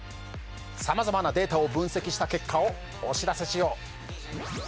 さまざまなデータを分析した結果をお知らせしよう。